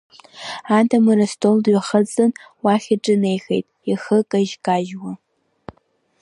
Адамыр астол дҩахыҵын, уахь иҿынеихеит, ихы кажь-кажьуа.